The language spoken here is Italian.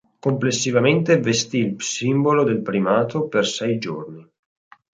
Complessivamente vestì il simbolo del primato per sei giorni.